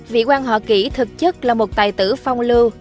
vị quan họ kỷ thực chất là một tài tử phong lưu